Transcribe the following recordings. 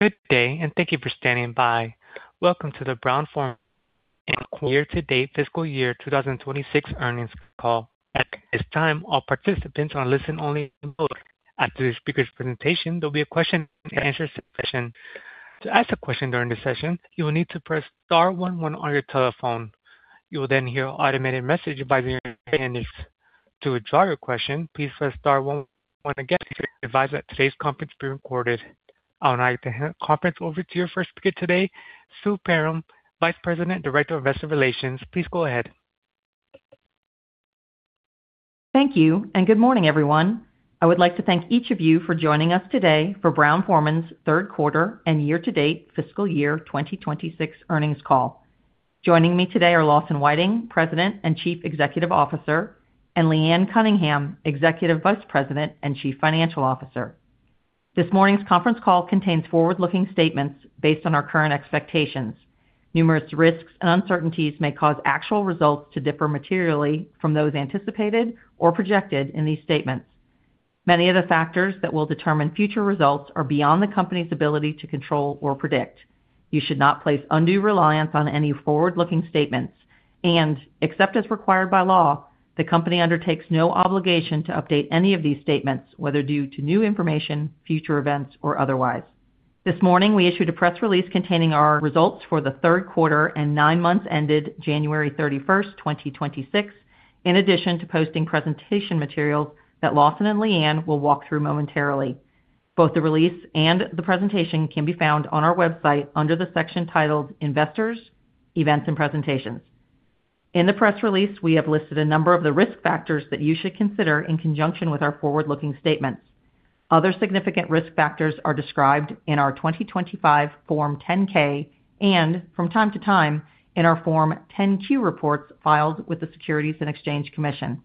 Good day, thank you for standing by. Welcome to the Brown-Forman Year-to-Date Fiscal Year 2026 Earnings Call. At this time, all participants are in listen only mode. After the speakers' presentation, there'll be a question and answer session. To ask a question during the session, you will need to press star one-one on your telephone. You will hear an automated message advising you on how to withdraw your question. Please press star one-one again to advise that today's conference will be recorded. I'll now hand the conference over to your first speaker today, Sue Perram, Vice President, Director of Investor Relations. Please go ahead. Thank you. Good morning, everyone. I would like to thank each of you for joining us today for Brown-Forman's third quarter and year-to-date fiscal year 2026 earnings call. Joining me today are Lawson Whiting, President and Chief Executive Officer, and Leanne Cunningham, Executive Vice President and Chief Financial Officer. This morning's conference call contains forward-looking statements based on our current expectations. Numerous risks and uncertainties may cause actual results to differ materially from those anticipated or projected in these statements. Many of the factors that will determine future results are beyond the company's ability to control or predict. You should not place undue reliance on any forward-looking statements. Except as required by law, the company undertakes no obligation to update any of these statements, whether due to new information, future events, or otherwise. This morning, we issued a press release containing our results for the third quarter and nine months ended January 31st, 2026, in addition to posting presentation materials that Lawson and Leanne will walk through momentarily. Both the release and the presentation can be found on our website under the section titled Investors, Events & Presentations. In the press release, we have listed a number of the risk factors that you should consider in conjunction with our forward-looking statements. Other significant risk factors are described in our 2025 Form 10-K and from time to time in our Form 10-Q reports filed with the Securities and Exchange Commission.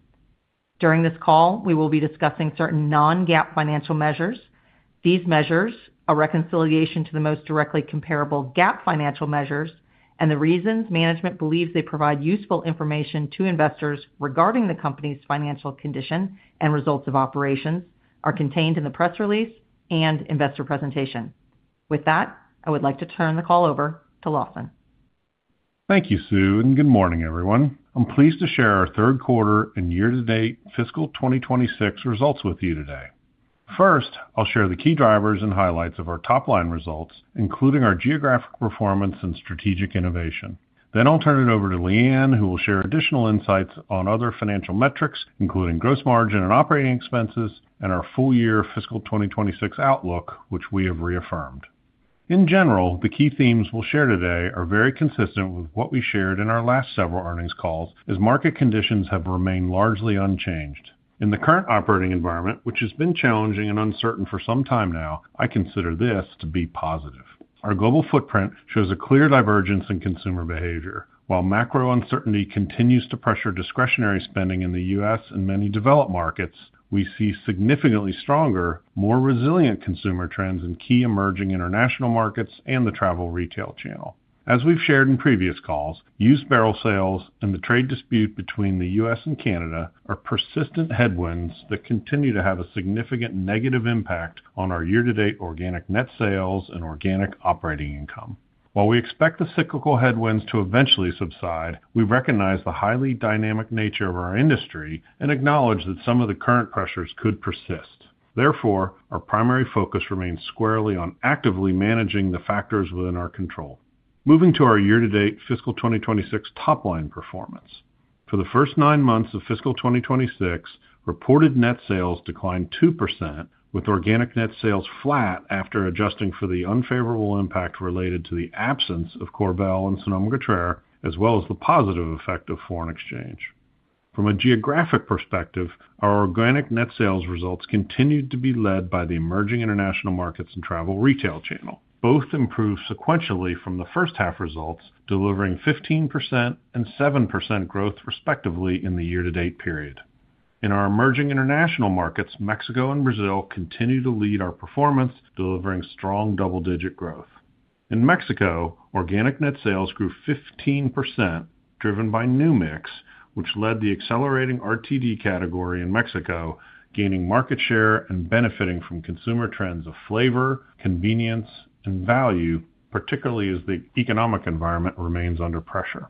During this call, we will be discussing certain non-GAAP financial measures. These measures, a reconciliation to the most directly comparable GAAP financial measures, and the reasons management believes they provide useful information to investors regarding the company's financial condition and results of operations, are contained in the press release and investor presentation. With that, I would like to turn the call over to Lawson. Thank you, Sue. Good morning, everyone. I'm pleased to share our third quarter and year-to-date fiscal 2026 results with you today. First, I'll share the key drivers and highlights of our top-line results, including our geographic performance and strategic innovation. I'll turn it over to Leanne, who will share additional insights on other financial metrics, including gross margin and operating expenses and our full year fiscal 2026 outlook, which we have reaffirmed. In general, the key themes we'll share today are very consistent with what we shared in our last several earnings calls as market conditions have remained largely unchanged. In the current operating environment, which has been challenging and uncertain for some time now, I consider this to be positive. Our global footprint shows a clear divergence in consumer behavior. While macro uncertainty continues to pressure discretionary spending in the U.S. and many developed markets, we see significantly stronger, more resilient consumer trends in key emerging international markets and the travel retail channel. As we've shared in previous calls, used barrel sales and the trade dispute between the U.S. and Canada are persistent headwinds that continue to have a significant negative impact on our year-to-date organic net sales and organic operating income. While we expect the cyclical headwinds to eventually subside, we recognize the highly dynamic nature of our industry and acknowledge that some of the current pressures could persist. Therefore, our primary focus remains squarely on actively managing the factors within our control. Moving to our year-to-date fiscal 2026 top-line performance. For the first nine months of fiscal 2026, reported net sales declined 2%, with organic net sales flat after adjusting for the unfavorable impact related to the absence of Korbel and Sonoma-Cutrer, as well as the positive effect of foreign exchange. From a geographic perspective, our organic net sales results continued to be led by the emerging international markets and travel retail channel. Both improved sequentially from the first half results, delivering 15% and 7% growth, respectively, in the year-to-date period. In our emerging international markets, Mexico and Brazil continue to lead our performance, delivering strong double-digit growth. In Mexico, organic net sales grew 15%, driven by New Mix, which led the accelerating RTD category in Mexico, gaining market share and benefiting from consumer trends of flavor, convenience, and value, particularly as the economic environment remains under pressure.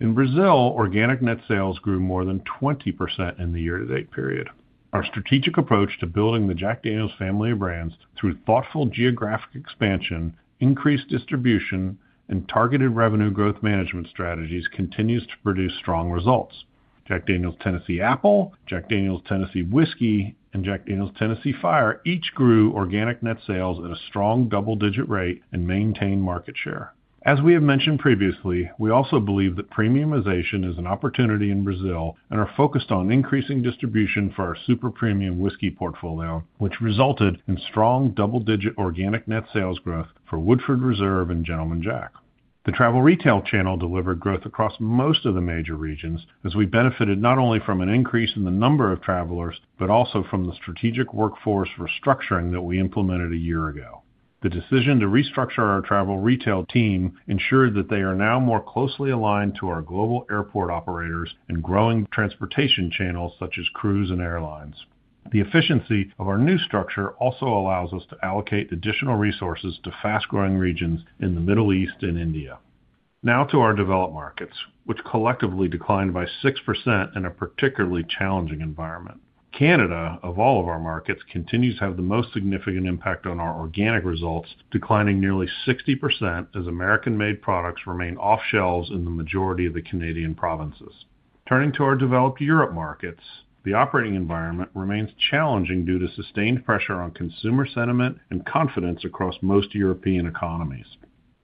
In Brazil, organic net sales grew more than 20% in the year-to-date period. Our strategic approach to building the Jack Daniel's family of brands through thoughtful geographic expansion, increased distribution, and targeted revenue growth management strategies continues to produce strong results. Jack Daniel's Tennessee Apple, Jack Daniel's Tennessee Whiskey, and Jack Daniel's Tennessee Fire each grew organic net sales at a strong double-digit rate and maintained market share. As we have mentioned previously, we also believe that premiumization is an opportunity in Brazil and are focused on increasing distribution for our super premium whiskey portfolio, which resulted in strong double-digit organic net sales growth for Woodford Reserve and Gentleman Jack. The travel retail channel delivered growth across most of the major regions as we benefited not only from an increase in the number of travelers, but also from the strategic workforce restructuring that we implemented a year ago. The decision to restructure our travel retail team ensured that they are now more closely aligned to our global airport operators and growing transportation channels such as cruise and airlines. The efficiency of our new structure also allows us to allocate additional resources to fast-growing regions in the Middle East and India. To our developed markets, which collectively declined by 6% in a particularly challenging environment. Canada, of all of our markets, continues to have the most significant impact on our organic results, declining nearly 60% as American-made products remain off shelves in the majority of the Canadian provinces. Turning to our developed Europe markets, the operating environment remains challenging due to sustained pressure on consumer sentiment and confidence across most European economies.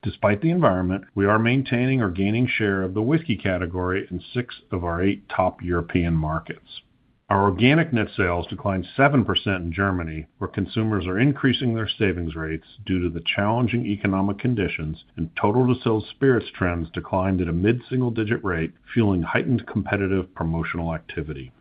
Despite the environment, we are maintaining or gaining share of the whiskey category in six of our eight top European markets. Our organic net sales declined 7% in Germany, where consumers are increasing their savings rates due to the challenging economic conditions and total distilled spirits trends declined at a mid-single-digit rate, fueling heightened competitive promotional activity.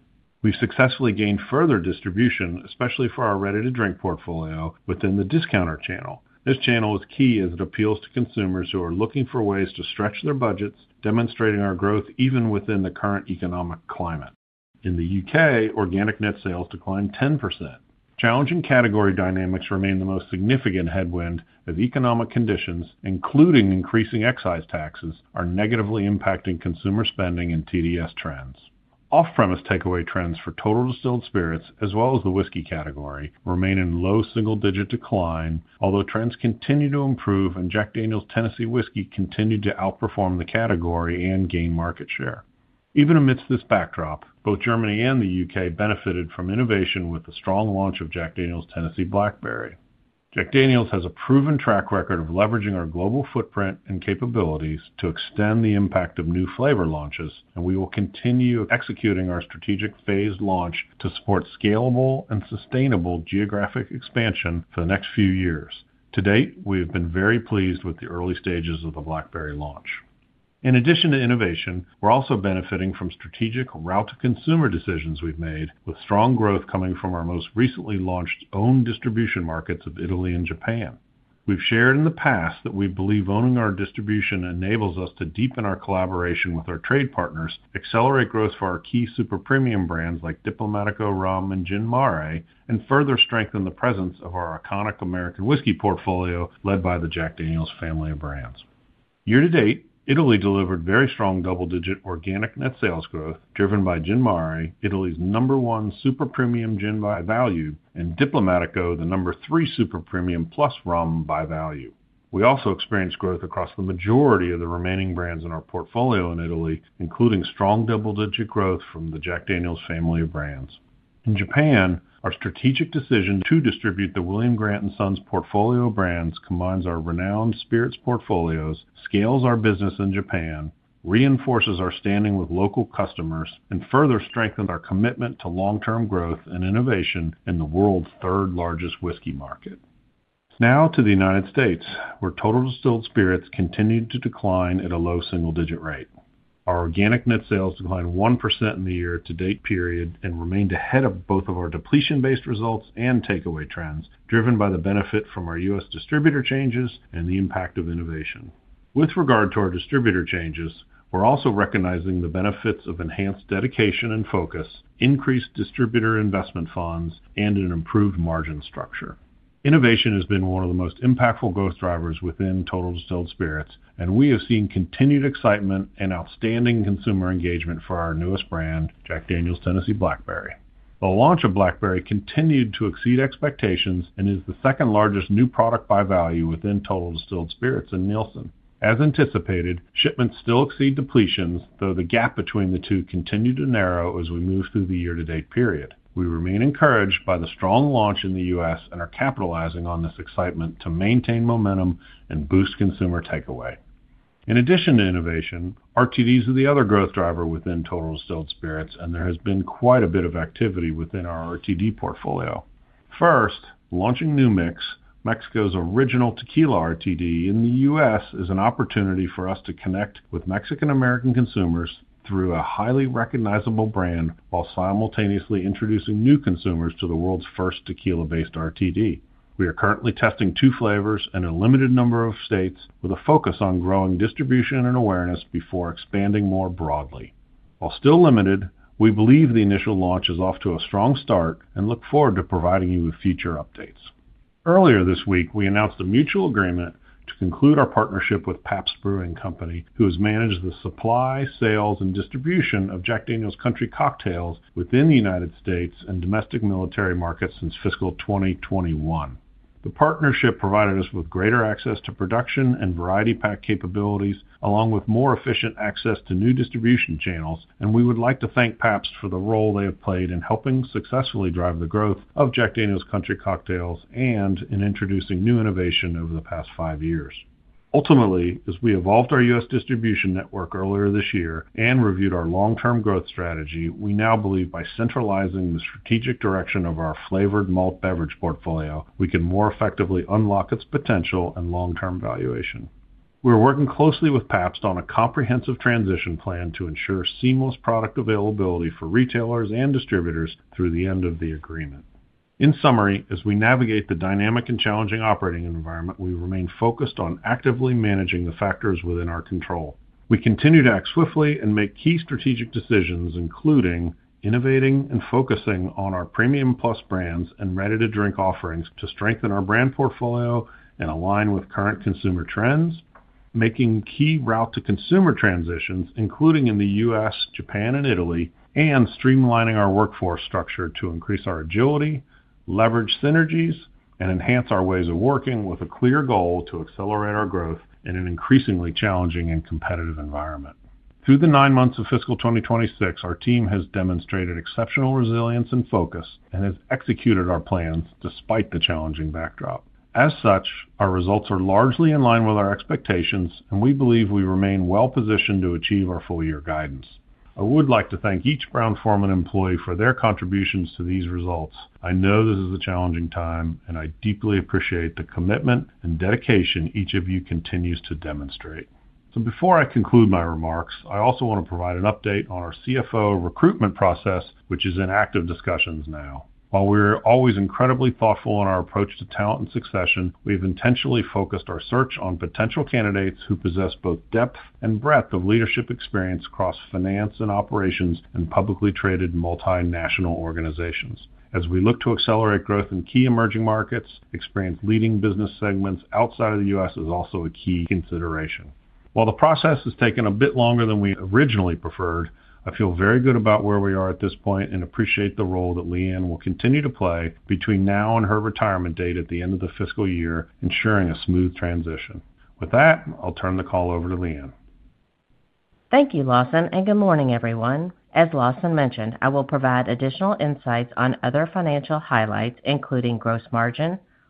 We've successfully gained further distribution, especially for our ready-to-drink portfolio within the discounter channel. This channel is key as it appeals to consumers who are looking for ways to stretch their budgets, demonstrating our growth even within the current economic climate. In the U.K., organic net sales declined 10%. Challenging category dynamics remain the most significant headwind as economic conditions, including increasing excise taxes, are negatively impacting consumer spending and TDS trends. Off-premise takeaway trends for total distilled spirits, as well as the whiskey category, remain in low single-digit decline, although trends continue to improve and Jack Daniel's Tennessee Whiskey continued to outperform the category and gain market share. Even amidst this backdrop, both Germany and the U.K. benefited from innovation with the strong launch of Jack Daniel's Tennessee Blackberry. Jack Daniel's has a proven track record of leveraging our global footprint and capabilities to extend the impact of new flavor launches, we will continue executing our strategic phased launch to support scalable and sustainable geographic expansion for the next few years. To date, we have been very pleased with the early stages of the Blackberry launch. In addition to innovation, we're also benefiting from strategic route to consumer decisions we've made with strong growth coming from our most recently launched own distribution markets of Italy and Japan. We've shared in the past that we believe owning our distribution enables us to deepen our collaboration with our trade partners, accelerate growth for our key super premium brands like Diplomático Rum and Gin Mare, and further strengthen the presence of our iconic American whiskey portfolio, led by the Jack Daniel's family of brands. Year to date, Italy delivered very strong double-digit organic net sales growth, driven by Gin Mare, Italy's number one super premium gin by value, and Diplomático, the number three super premium plus rum by value. We also experienced growth across the majority of the remaining brands in our portfolio in Italy, including strong double-digit growth from the Jack Daniel's family of brands. In Japan, our strategic decision to distribute the William Grant & Sons portfolio brands combines our renowned spirits portfolios, scales our business in Japan, reinforces our standing with local customers, and further strengthened our commitment to long-term growth and innovation in the world's third-largest whiskey market. Now to the United States, where total distilled spirits continued to decline at a low single-digit rate. Our organic net sales declined 1% in the year-to-date period and remained ahead of both of our depletion-based results and takeaway trends, driven by the benefit from our U.S. distributor changes and the impact of innovation. With regard to our distributor changes, we're also recognizing the benefits of enhanced dedication and focus, increased distributor investment funds, and an improved margin structure. Innovation has been one of the most impactful growth drivers within total distilled spirits. We have seen continued excitement and outstanding consumer engagement for our newest brand, Jack Daniel's Tennessee Blackberry. The launch of Blackberry continued to exceed expectations and is the second-largest new product by value within total distilled spirits in Nielsen. As anticipated, shipments still exceed depletions, though the gap between the two continued to narrow as we move through the year-to-date period. We remain encouraged by the strong launch in the U.S. and are capitalizing on this excitement to maintain momentum and boost consumer takeaway. In addition to innovation, RTDs are the other growth driver within total distilled spirits. There has been quite a bit of activity within our RTD portfolio. First, launching New Mix, Mexico's original tequila RTD in the U.S., is an opportunity for us to connect with Mexican American consumers through a highly recognizable brand while simultaneously introducing new consumers to the world's first tequila-based RTD. We are currently testing two flavors in a limited number of states with a focus on growing distribution and awareness before expanding more broadly. While still limited, we believe the initial launch is off to a strong start and look forward to providing you with future updates. Earlier this week, we announced a mutual agreement to conclude our partnership with Pabst Brewing Company, who has managed the supply, sales, and distribution of Jack Daniel's Country Cocktails within the United States and domestic military markets since fiscal 2021. The partnership provided us with greater access to production and variety pack capabilities, along with more efficient access to new distribution channels. We would like to thank Pabst for the role they have played in helping successfully drive the growth of Jack Daniel's Country Cocktails and in introducing new innovation over the past five years. Ultimately, as we evolved our U.S. distribution network earlier this year and reviewed our long-term growth strategy, we now believe by centralizing the strategic direction of our flavored malt beverage portfolio, we can more effectively unlock its potential and long-term valuation. We are working closely with Pabst on a comprehensive transition plan to ensure seamless product availability for retailers and distributors through the end of the agreement. In summary, as we navigate the dynamic and challenging operating environment, we remain focused on actively managing the factors within our control. We continue to act swiftly and make key strategic decisions, including innovating and focusing on our premium-plus brands and ready-to-drink offerings to strengthen our brand portfolio and align with current consumer trends, making key route to consumer transitions, including in the U.S., Japan and Italy, and streamlining our workforce structure to increase our agility, leverage synergies and enhance our ways of working with a clear goal to accelerate our growth in an increasingly challenging and competitive environment. Through the nine months of fiscal 2026, our team has demonstrated exceptional resilience and focus and has executed our plans despite the challenging backdrop. As such, our results are largely in line with our expectations, and we believe we remain well positioned to achieve our full year guidance. I would like to thank each Brown-Forman employee for their contributions to these results. I know this is a challenging time, and I deeply appreciate the commitment and dedication each of you continues to demonstrate. Before I conclude my remarks, I also want to provide an update on our CFO recruitment process, which is in active discussions now. While we're always incredibly thoughtful in our approach to talent and succession, we've intentionally focused our search on potential candidates who possess both depth and breadth of leadership experience across finance and operations and publicly traded multinational organizations. As we look to accelerate growth in key emerging markets, experience leading business segments outside of the U.S. is also a key consideration. While the process has taken a bit longer than we originally preferred, I feel very good about where we are at this point and appreciate the role that Leanne will continue to play between now and her retirement date at the end of the fiscal year, ensuring a smooth transition. With that, I'll turn the call over to Leanne. Thank you, Lawson, and good morning, everyone. As Lawson mentioned, I will provide additional insights on other financial highlights, including gross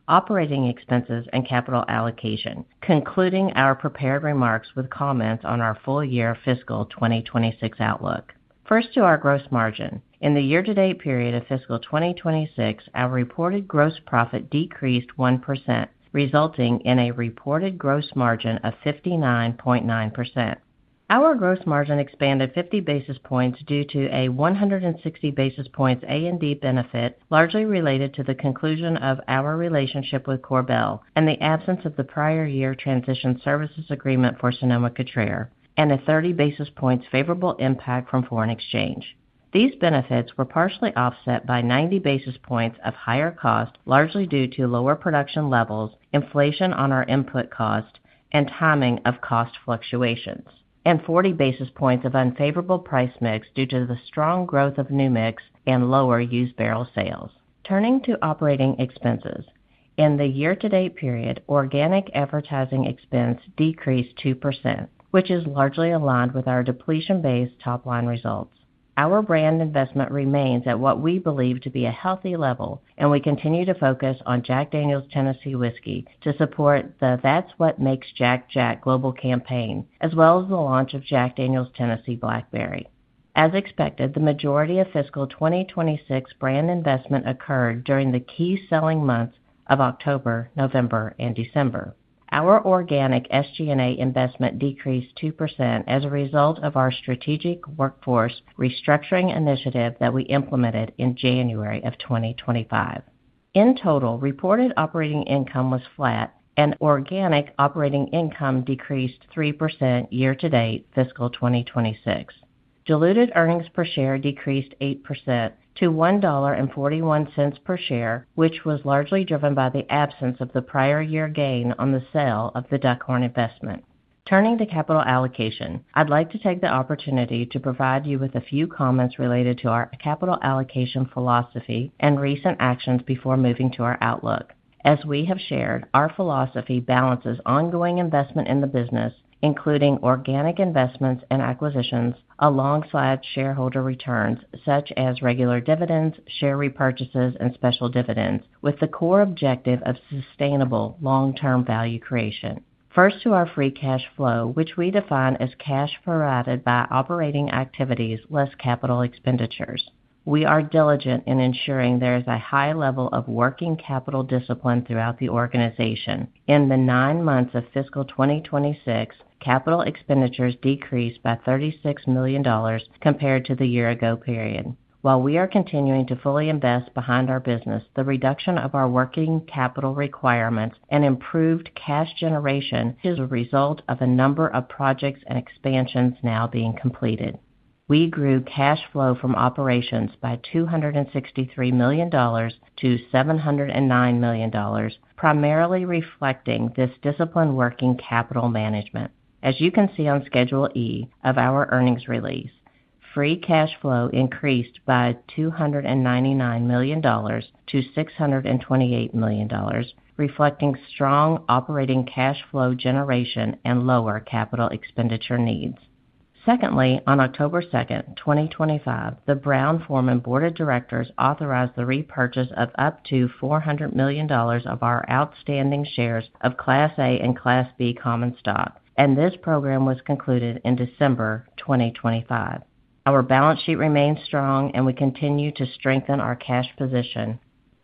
margin, operating expenses, and capital allocation, concluding our prepared remarks with comments on our full year fiscal 2026 outlook. First, to our gross margin. In the year-to-date period of fiscal 2026, our reported gross profit decreased 1%, resulting in a reported gross margin of 59.9%. Our gross margin expanded 50 basis points due to a 160 basis points A&D benefit, largely related to the conclusion of our relationship with Korbel and the absence of the prior year transition services agreement for Sonoma-Cutrer and a 30 basis points favorable impact from foreign exchange. These benefits were partially offset by 90 basis points of higher cost, largely due to lower production levels, inflation on our input cost, and timing of cost fluctuations, and 40 basis points of unfavorable price mix due to the strong growth of New Mix and lower used barrel sales. Turning to operating expenses. In the year-to-date period, organic advertising expense decreased 2%, which is largely aligned with our depletion-based top-line results. Our brand investment remains at what we believe to be a healthy level, and we continue to focus on Jack Daniel's Tennessee Whiskey to support the That's What Makes Jack Jack global campaign, as well as the launch of Jack Daniel's Tennessee Blackberry. As expected, the majority of fiscal 2026 brand investment occurred during the key selling months of October, November and December. Our organic SG&A investment decreased 2% as a result of our strategic workforce restructuring initiative that we implemented in January of 2025. In total, reported operating income was flat and organic operating income decreased 3% year-to-date fiscal 2026. Diluted earnings per share decreased 8% to $1.41 per share, which was largely driven by the absence of the prior year gain on the sale of the Duckhorn investment. Turning to capital allocation, I'd like to take the opportunity to provide you with a few comments related to our capital allocation philosophy and recent actions before moving to our outlook. As we have shared, our philosophy balances ongoing investment in the business, including organic investments and acquisitions alongside shareholder returns such as regular dividends, share repurchases and special dividends, with the core objective of sustainable long-term value creation. First, to our free cash flow, which we define as cash provided by operating activities less capital expenditures. We are diligent in ensuring there is a high level of working capital discipline throughout the organization. In the nine months of fiscal 2026, capital expenditures decreased by $36 million compared to the year ago period. While we are continuing to fully invest behind our business, the reduction of our working capital requirements and improved cash generation is a result of a number of projects and expansions now being completed. We grew cash flow from operations by $263 million to $709 million, primarily reflecting this disciplined working capital management. As you can see on Schedule E of our earnings release, free cash flow increased by $299 million to $628 million, reflecting strong operating cash flow generation and lower capital expenditure needs. Secondly, on October 2, 2025, the Brown-Forman Board of Directors authorized the repurchase of up to $400 million of our outstanding shares of Class A and Class B common stock, and this program was concluded in December 2025. Our balance sheet remains strong, and we continue to strengthen our cash position.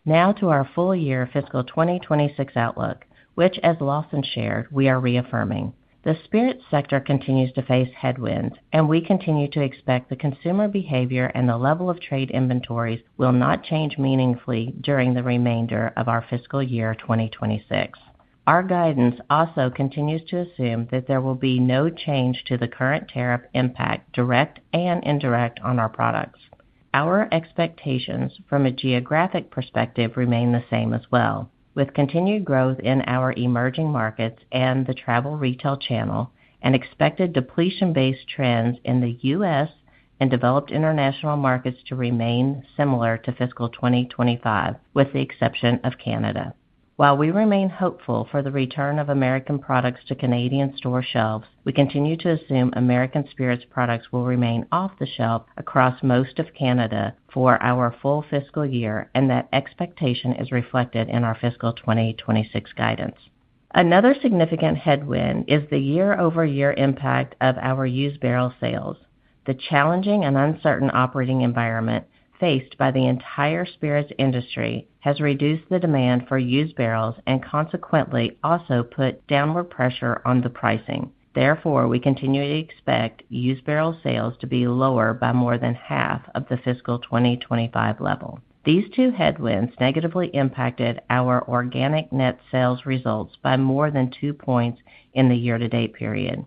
Now to our full year fiscal 2026 outlook, which as Lawson shared, we are reaffirming. The spirit sector continues to face headwinds. We continue to expect the consumer behavior and the level of trade inventories will not change meaningfully during the remainder of our fiscal year 2026. Our guidance also continues to assume that there will be no change to the current tariff impact, direct and indirect, on our products. Our expectations from a geographic perspective remain the same as well, with continued growth in our emerging markets and the travel retail channel and expected depletion-based trends in the U.S. and developed international markets to remain similar to fiscal 2025, with the exception of Canada. While we remain hopeful for the return of American products to Canadian store shelves, we continue to assume American spirits products will remain off the shelf across most of Canada for our full fiscal year, and that expectation is reflected in our fiscal 2026 guidance. Another significant headwind is the year-over-year impact of our used barrel sales. The challenging and uncertain operating environment faced by the entire spirits industry has reduced the demand for used barrels and consequently also put downward pressure on the pricing. Therefore, we continue to expect used barrel sales to be lower by more than half of the fiscal 2025 level. These two headwinds negatively impacted our organic net sales results by more than 2 points in the year-to-date period.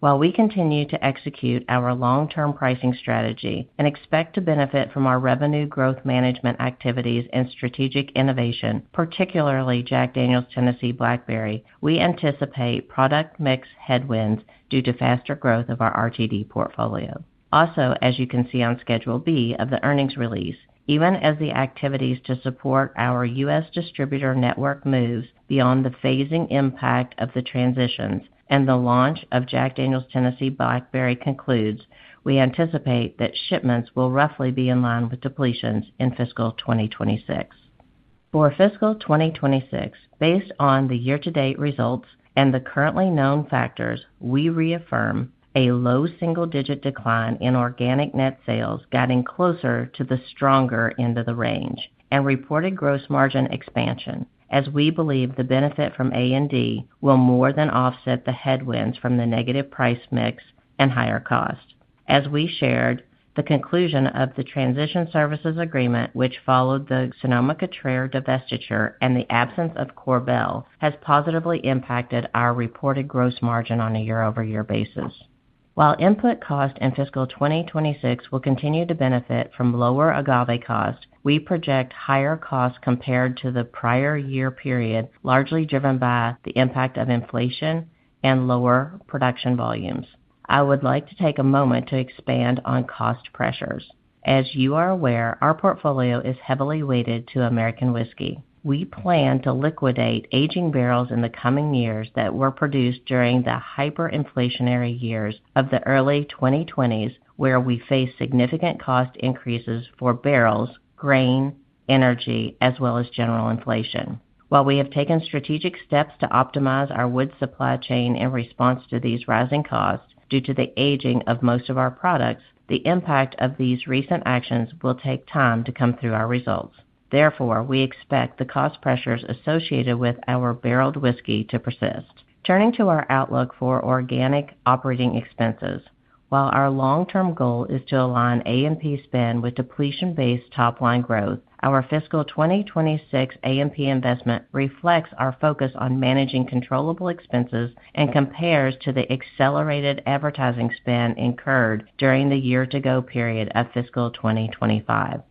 While we continue to execute our long-term pricing strategy and expect to benefit from our revenue growth management activities and strategic innovation, particularly Jack Daniel's Tennessee Blackberry, we anticipate product mix headwinds due to faster growth of our RTD portfolio. Also, as you can see on Schedule B of the earnings release, even as the activities to support our U.S. distributor network moves beyond the phasing impact of the transitions and the launch of Jack Daniel's Tennessee Blackberry concludes, we anticipate that shipments will roughly be in line with depletions in fiscal 2026. For fiscal 2026, based on the year-to-date results and the currently known factors, we reaffirm a low single-digit decline in organic net sales, guiding closer to the stronger end of the range and reported gross margin expansion, as we believe the benefit from A&D will more than offset the headwinds from the negative price mix and higher cost. As we shared, the conclusion of the transition services agreement, which followed the Sonoma-Cutrer divestiture and the absence of Korbel, has positively impacted our reported gross margin on a year-over-year basis. While input cost in fiscal 2026 will continue to benefit from lower agave cost, we project higher costs compared to the prior year period, largely driven by the impact of inflation and lower production volumes. I would like to take a moment to expand on cost pressures. As you are aware, our portfolio is heavily weighted to American whiskey. We plan to liquidate aging barrels in the coming years that were produced during the hyperinflationary years of the early 2020s, where we face significant cost increases for barrels, grain, energy, as well as general inflation. While we have taken strategic steps to optimize our wood supply chain in response to these rising costs due to the aging of most of our products, the impact of these recent actions will take time to come through our results. Therefore, we expect the cost pressures associated with our barreled whiskey to persist. Turning to our outlook for organic operating expenses. While our long-term goal is to align A&P spend with depletion-based top-line growth, our fiscal 2026 A&P investment reflects our focus on managing controllable expenses and compares to the year-to-go period of fiscal 2025.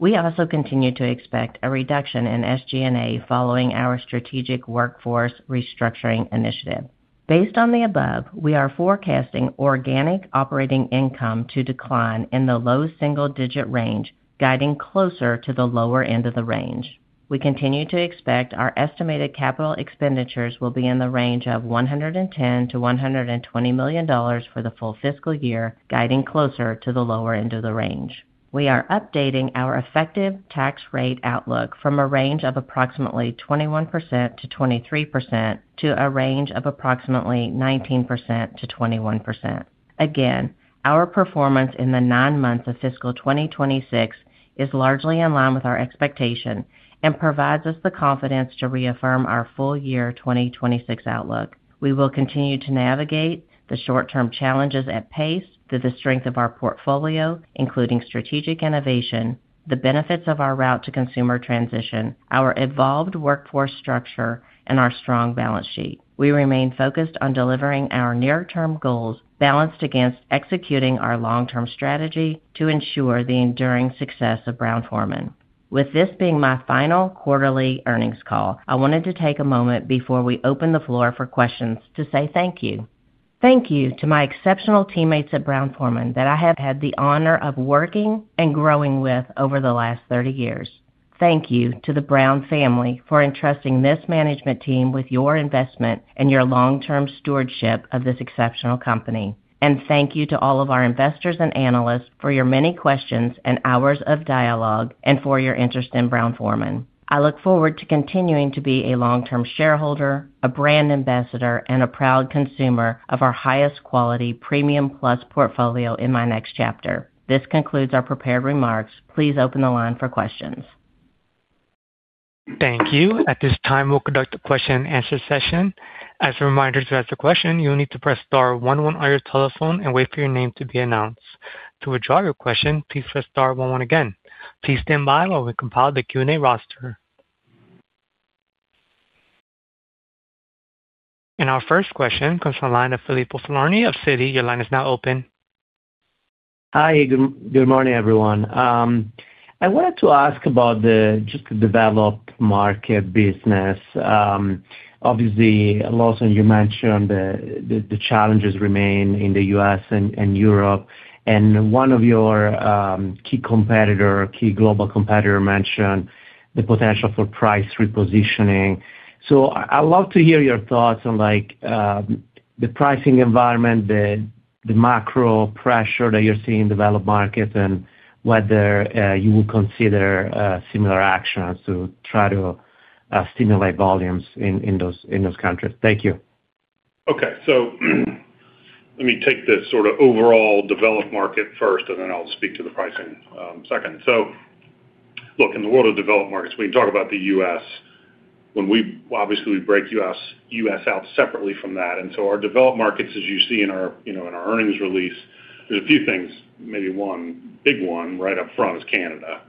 We also continue to expect a reduction in SG&A following our strategic workforce restructuring initiative. Based on the above, we are forecasting organic operating income to decline in the low double-digit range, guiding closer to the lower end of the range. We continue to expect our estimated capital expenditures will be in the range of $110 million-$120 million for the full fiscal year, guiding closer to the lower end of the range. We are updating our effective tax rate outlook from a range of approximately 21%-23% to a range of approximately 19%-21%. Our performance in the nine months of fiscal 2026 is largely in line with our expectation and provides us the confidence to reaffirm our full year 2026 outlook. We will continue to navigate the short-term challenges at pace through the strength of our portfolio, including strategic innovation, the benefits of our route to consumer transition, our evolved workforce structure, and our strong balance sheet. We remain focused on delivering our near-term goals balanced against executing our long-term strategy to ensure the enduring success of Brown-Forman. With this being my final quarterly earnings call, I wanted to take a moment before we open the floor for questions to say thank you. Thank you to my exceptional teammates at Brown-Forman that I have had the honor of working and growing with over the last 30 years. Thank you to the Brown family for entrusting this management team with your investment and your long-term stewardship of this exceptional company. Thank you to all of our investors and analysts for your many questions and hours of dialogue and for your interest in Brown-Forman. I look forward to continuing to be a long-term shareholder, a brand ambassador, and a proud consumer of our highest quality premium plus portfolio in my next chapter. This concludes our prepared remarks. Please open the line for questions. Thank you. At this time, we'll conduct a question and answer session. As a reminder, to ask a question, you'll need to press star one one on your telephone and wait for your name to be announced. To withdraw your question, please press star one one again. Please stand by while we compile the Q&A roster. Our first question comes from the line of Filippo Falorni of Citi. Your line is now open. Hi, good morning, everyone. I wanted to ask about just the developed market business. Obviously, Lawson, you mentioned the challenges remain in the U.S. and Europe. One of your key global competitor mentioned the potential for price repositioning. I love to hear your thoughts on, like, the pricing environment, the macro pressure that you're seeing in developed markets and whether you would consider similar actions to try to stimulate volumes in those countries. Thank you. Okay. Let me take this sort of overall developed market first, and then I'll speak to the pricing second. Look, in the world of developed markets, we can talk about the U.S. Obviously we break U.S. out separately from that. Our developed markets, as you see in our, you know, in our earnings release, there's a few things, maybe one big one right up front is Canada.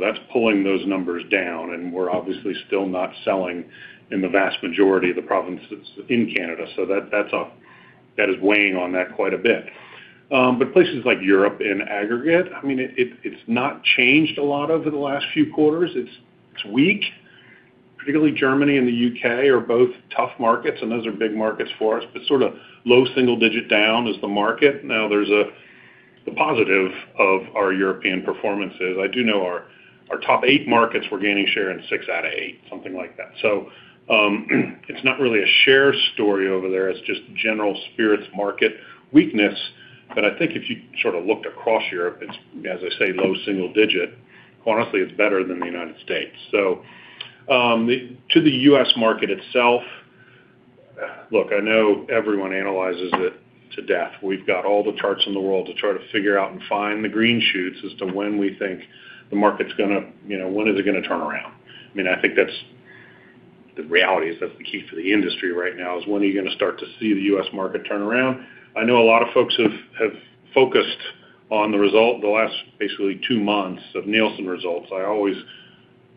That's pulling those numbers down, and we're obviously still not selling in the vast majority of the provinces in Canada. That is weighing on that quite a bit. Places like Europe in aggregate, I mean, it's not changed a lot over the last few quarters. It's weak. Particularly Germany and the U.K. are both tough markets. Those are big markets for us, sort of low single digit down is the market. There's a, the positive of our European performances. I do know our top eight markets, we're gaining share in six out of eight, something like that. It's not really a share story over there, it's just general spirits market weakness. I think if you sort of looked across Europe, it's, as I say, low single digit. Honestly, it's better than the United States. To the U.S. market itself, look, I know everyone analyzes it to death. We've got all the charts in the world to try to figure out and find the green shoots as to when we think the market's gonna, you know, when is it gonna turn around. I mean, I think that's the reality is that's the key for the industry right now is when are you gonna start to see the U.S. market turn around? I know a lot of folks have focused on the result the last basically two months of Nielsen results. I always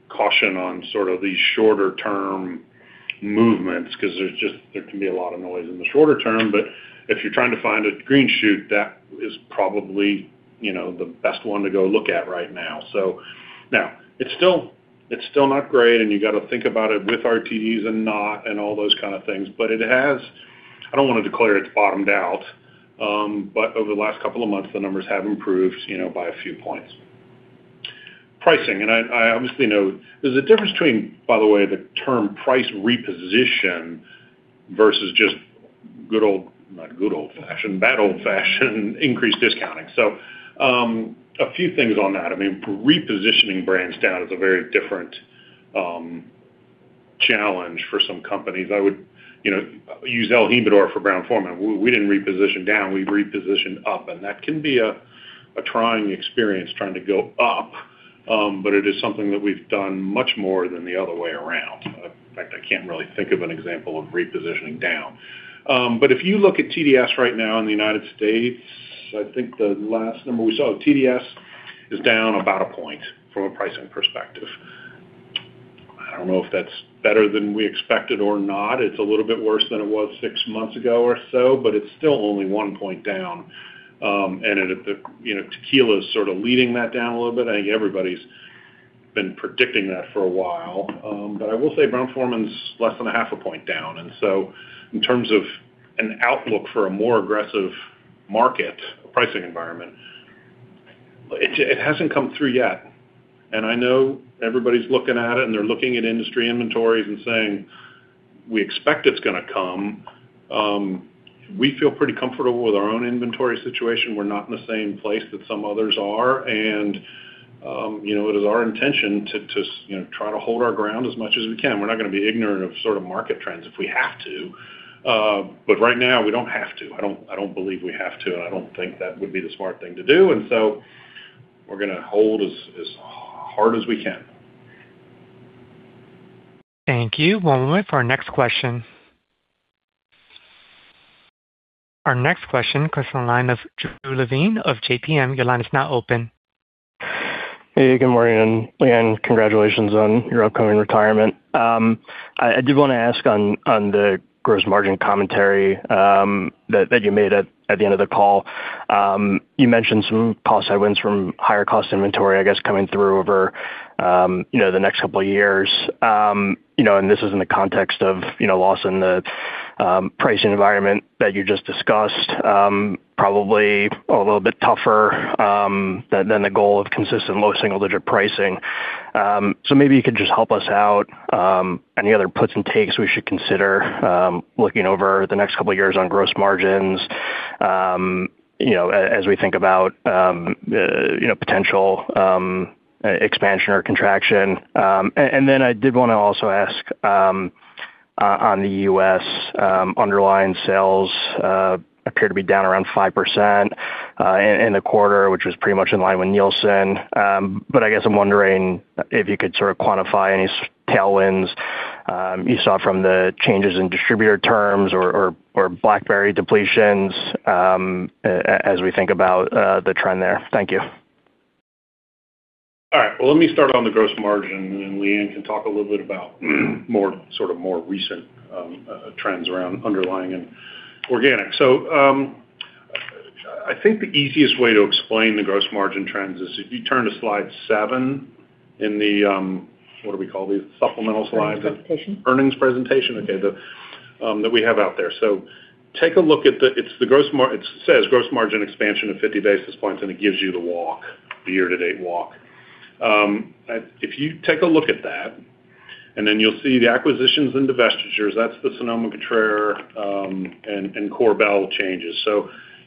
caution on sort of these shorter term movements because there can be a lot of noise in the shorter term. If you're trying to find a green shoot, that is probably, you know, the best one to go look at right now. Now it's still, it's still not great, and you got to think about it with RTDs and not, and all those kind of things. I don't wanna declare it's bottomed out, but over the last couple of months, the numbers have improved, you know, by a few points. Pricing, I obviously know there's a difference between, by the way, the term price reposition versus just-- good old-fashioned, bad old-fashioned increased discounting. A few things on that. I mean, repositioning brands down is a very different challenge for some companies. I would, you know, use el Jimador for Brown-Forman. We didn't reposition down, we repositioned up, and that can be a trying experience trying to go up, but it is something that we've done much more than the other way around. In fact, I can't really think of an example of repositioning down. If you look at TDS right now in the United States, I think the last number we saw, TDS is down about 1 point from a pricing perspective. I don't know if that's better than we expected or not. It's a little bit worse than it was six months ago or so, but it's still only one point down. You know, tequila is sort of leading that down a little bit. I think everybody's been predicting that for a while. I will say Brown-Forman's less than 0.5 point down. In terms of an outlook for a more aggressive market pricing environment, it hasn't come through yet. I know everybody's looking at it, and they're looking at industry inventories and saying, "We expect it's gonna come." We feel pretty comfortable with our own inventory situation. We're not in the same place that some others are. You know, it is our intention to, you know, try to hold our ground as much as we can. We're not gonna be ignorant of sort of market trends if we have to. Right now, we don't have to. I don't believe we have to, and I don't think that would be the smart thing to do. We're gonna hold as hard as we can. Thank you. One moment for our next question. Our next question comes from the line of Drew Levine of JPM. Your line is now open. Hey, good morning, and Leanne, congratulations on your upcoming retirement. I did wanna ask on the gross margin commentary that you made at the end of the call. You mentioned some positive wins from higher cost inventory, I guess, coming through over, you know, the next couple of years. You know, and this is in the context of, you know, Lawson, the pricing environment that you just discussed, probably a little bit tougher than the goal of consistent low single-digit pricing. Maybe you could just help us out, any other puts and takes we should consider, looking over the next couple of years on gross margins, you know, as we think about, you know, potential expansion or contraction? I did wanna also ask, on the U.S., underlying sales appear to be down around 5% in the quarter, which was pretty much in line with Nielsen. I guess I'm wondering if you could sort of quantify any tailwinds You saw from the changes in distributor terms or Blackberry depletions, as we think about the trend there. Thank you. Well let me start on the gross margin, and then Leanne can talk a little bit about more sort of more recent trends around underlying and organic. I think the easiest way to explain the gross margin trends is if you turn to slide 7 in the, what do we call these? Supplemental slides. Earnings presentation, okay, the, that we have out there. Take a look at the, it says gross margin expansion of 50 basis points, and it gives you the walk, the year-to-date walk. If you take a look at that, and then you'll see the acquisitions and divestitures, that's the Sonoma-Cutrer and Korbel changes.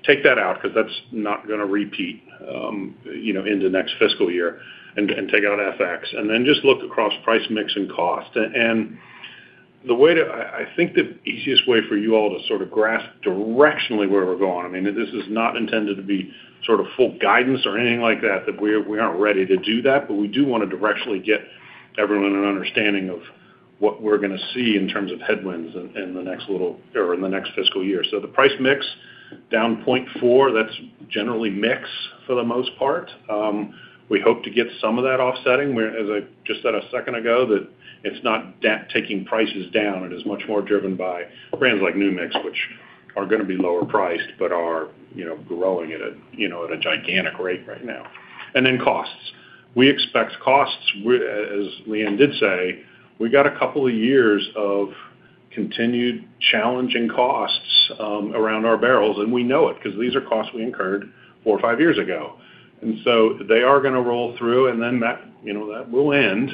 Take that out because that's not gonna repeat, you know, into next fiscal year, and take out FX, just look across price, mix, and cost. The way, I think the easiest way for you all to sort of grasp directionally where we're going, I mean, this is not intended to be sort of full guidance or anything like that, but we aren't ready to do that. We do want to directionally get everyone an understanding of what we're gonna see in terms of headwinds in the next little or in the next fiscal year. The price mix down 0.4, that's generally mix for the most part. We hope to get some of that offsetting. Where as I just said a second ago, that it's not taking prices down. It is much more driven by brands like New Mix, which are gonna be lower priced, but are, you know, growing at a, you know, at a gigantic rate right now. Costs. We expect costs, as Leanne did say, we got a couple of years of continued challenging costs around our barrels, and we know it, because these are costs we incurred four or five years ago. They are going to roll through, and then that, you know, that will end,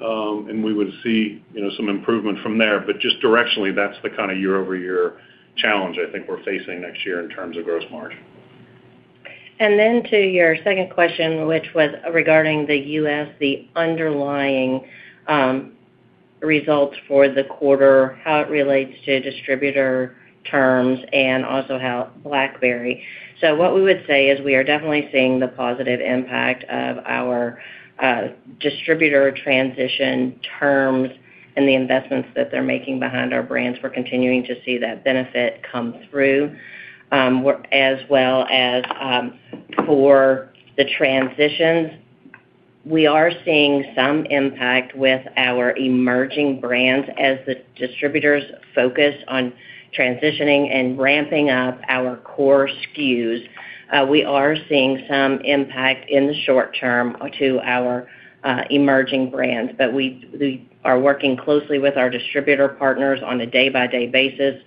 and we would see, you know, some improvement from there. But just directionally, that's the kind of year-over-year challenge I think we're facing next year in terms of gross margin. To your second question, which was regarding the U.S., the underlying results for the quarter, how it relates to distributor terms, and also how Blackberry. What we would say is we are definitely seeing the positive impact of our distributor transition terms and the investments that they're making behind our brands. We're continuing to see that benefit come through. As well as, for the transitions, we are seeing some impact with our emerging brands as the distributors focus on transitioning and ramping up our core SKUs. We are seeing some impact in the short term to our emerging brands. We are working closely with our distributor partners on a day-by-day basis,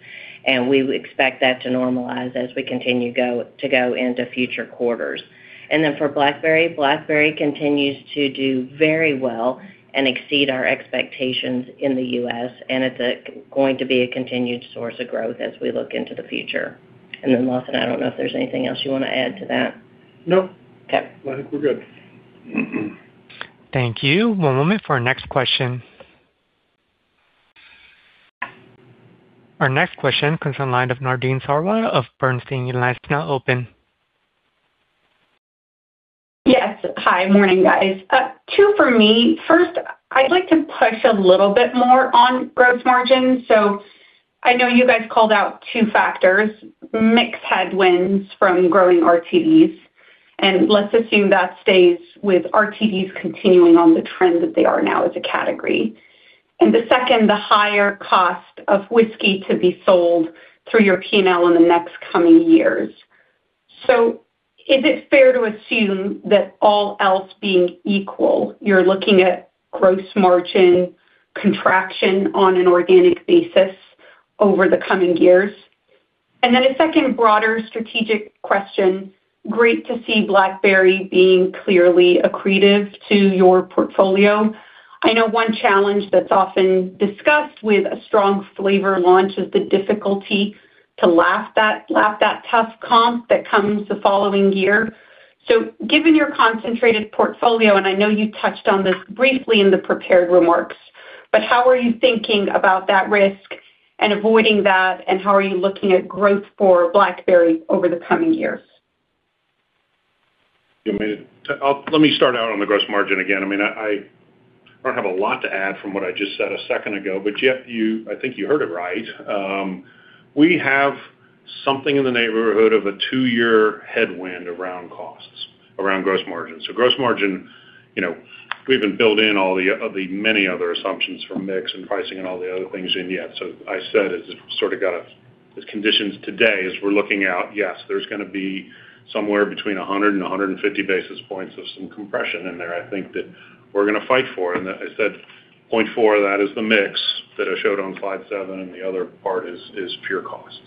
and we expect that to normalize as we continue to go into future quarters. For Blackberry continues to do very well and exceed our expectations in the U.S., and it's going to be a continued source of growth as we look into the future. Lawson, I don't know if there's anything else you wanna add to that. No. Okay. I think we're good. Thank you. One moment for our next question. Our next question comes from the line of Nadine Sarwat of Bernstein. Your line is now open. Yes. Hi. Morning, guys. Two for me. First, I'd like to push a little bit more on gross margin. I know you guys called out two factors, mix headwinds from growing RTDs, and let's assume that stays with RTDs continuing on the trend that they are now as a category. The second, the higher cost of whiskey to be sold through your P&L in the next coming years. Is it fair to assume that all else being equal, you're looking at gross margin contraction on an organic basis over the coming years? Then a second broader strategic question, great to see Blackberry being clearly accretive to your portfolio. I know one challenge that's often discussed with a strong flavor launch is the difficulty to lap that tough comp that comes the following year. Given your concentrated portfolio, and I know you touched on this briefly in the prepared remarks, but how are you thinking about that risk and avoiding that, and how are you looking at growth for Blackberry over the coming years? I mean, let me start out on the gross margin again. I mean, I don't have a lot to add from what I just said a second ago, but yet you, I think you heard it right. We have something in the neighborhood of a two-year headwind around costs, around gross margin. Gross margin, you know, we even build in all the many other assumptions from mix and pricing and all the other things in yet. I said, as it sort of got us as conditions today as we're looking out, yes, there's gonna be somewhere between 100-150 basis points of some compression in there I think that we're gonna fight for. I said 0.4 of that is the mix that I showed on slide 7, the other part is pure costs.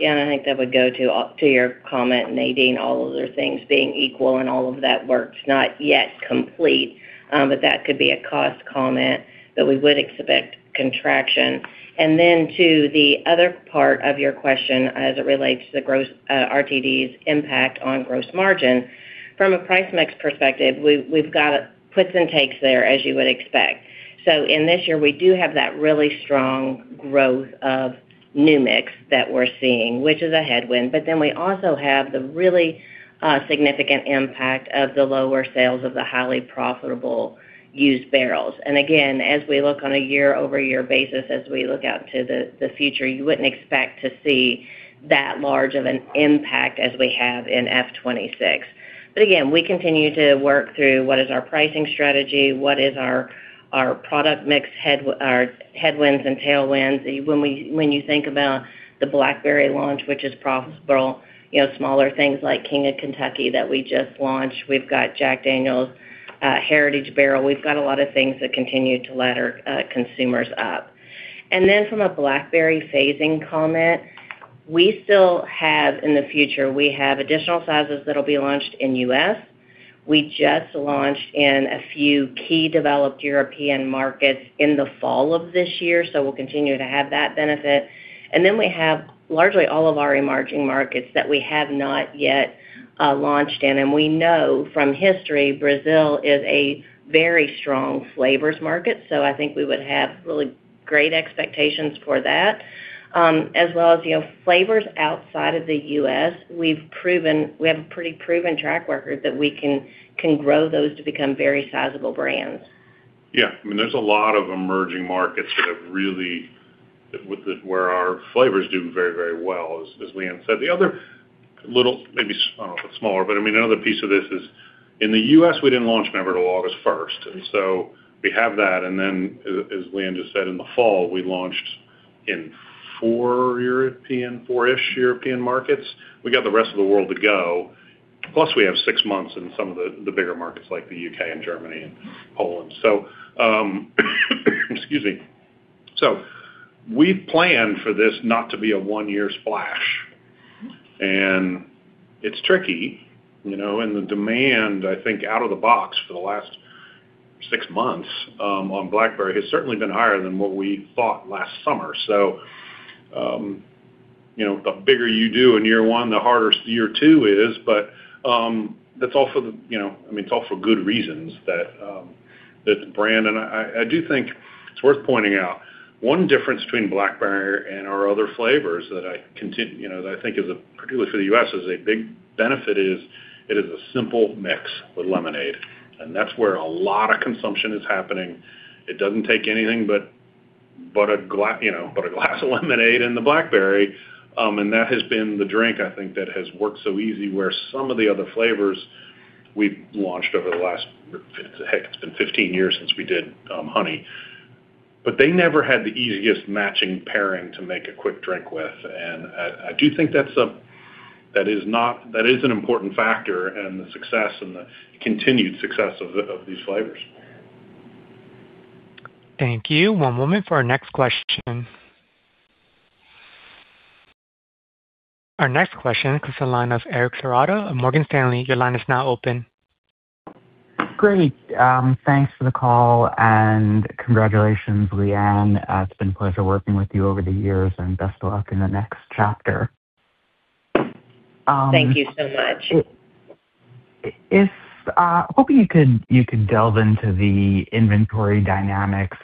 Yeah. I think that would go to your comment, Nadine, all other things being equal and all of that work not yet complete, but that could be a cost comment that we would expect contraction. To the other part of your question as it relates to the RTDs impact on gross margin. From a price mix perspective, we've got puts and takes there, as you would expect. In this year, we do have that really strong growth of New Mix that we're seeing, which is a headwind. We also have the really significant impact of the lower sales of the highly profitable used barrels. Again, as we look on a year-over-year basis, as we look out to the future, you wouldn't expect to see that large of an impact as we have in F 2026. Again, we continue to work through what is our pricing strategy, what is our product mix our headwinds and tailwinds. When you think about the Blackberry launch, which is profitable, you know, smaller things like King of Kentucky that we just launched. We've got Jack Daniel's Heritage Barrel. We've got a lot of things that continue to ladder consumers up. From a Blackberry phasing comment, we still have, in the future, we have additional sizes that'll be launched in U.S. We just launched in a few key developed European markets in the fall of this year, so we'll continue to have that benefit. We have largely all of our emerging markets that we have not yet launched in. We know from history, Brazil is a very strong flavors market, so I think we would have really great expectations for that. As well as, you know, flavors outside of the U.S., we have a pretty proven track record that we can grow those to become very sizable brands. I mean, there's a lot of emerging markets that have really where our flavors do very well, as Leanne said. The other little, maybe I don't know if it's smaller, but I mean, another piece of this is, in the U.S., we didn't launch never till August 1. We have that, and then as Leanne just said, in the fall, we launched in four European-- 4-ish European markets. We got the rest of the world to go. Plus, we have six months in some of the bigger markets like the U.K. and Germany and Poland. Excuse me. We plan for this not to be a one-year splash. It's tricky, you know, and the demand, I think, out of the box for the last six months on Blackberry has certainly been higher than what we thought last summer. You know, the bigger you do in year one, the harder year two is. That's all for the, you know, I mean, it's all for good reasons that the brand. I do think it's worth pointing out, one difference between Blackberry and our other flavors that I, you know, that I think is a, particularly for the U.S., is a big benefit is, it is a simple mix with lemonade, and that's where a lot of consumption is happening. It doesn't take anything but you know, a glass of lemonade and the Blackberry, and that has been the drink, I think, that has worked so easy, where some of the other flavors we've launched over the last, heck, it's been 15 years since we did Honey. They never had the easiest matching pairing to make a quick drink with. I do think that's not an important factor in the success and the continued success of these flavors. Thank you. One moment for our next question. Our next question comes to the line of Eric Serotta of Morgan Stanley. Your line is now open. Great. Thanks for the call. Congratulations, Leanne. It's been a pleasure working with you over the years. Best of luck in the next chapter. Thank you so much. Hoping you could delve into the inventory dynamics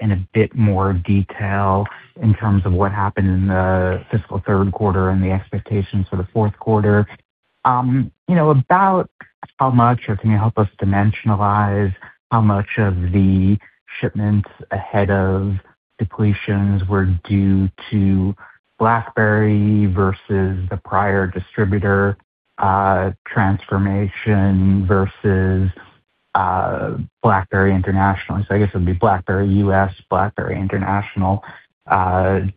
in a bit more detail in terms of what happened in the fiscal third quarter and the expectations for the fourth quarter. You know, about how much, or can you help us dimensionalize how much of the shipments ahead of depletions were due to Blackberry versus the prior distributor transformation versus Blackberry International? I guess it would be Blackberry U.S., Blackberry International,